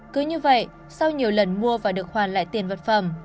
cứ như vậy sau nhiều lần mua và được hoàn lại tiền vật phẩm